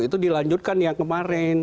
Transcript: itu dilanjutkan yang kemarin